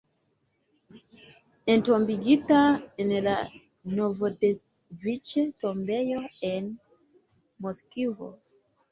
Entombigita en la Novodeviĉe-tombejo en Moskvo.